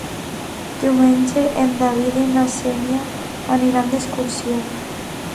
Diumenge en David i na Xènia aniran d'excursió.